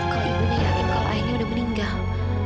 kalau ibunya yakin kau ayahnya udah meninggal